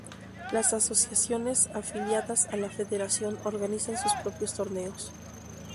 Las asociaciones afiliadas a la Federación organizan sus propios torneos.